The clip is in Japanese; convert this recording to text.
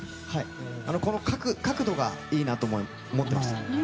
この角度がいいなと思ってました。